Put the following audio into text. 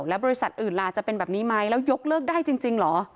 แล้วบริษัทอื่นล่ะจะเป็นแบบนี้ไหมแล้วยกเลิกได้จริงเหรอ